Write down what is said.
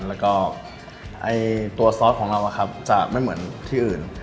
แล้วก็ตัวซอสของเราจะไม่เหมือนที่อื่น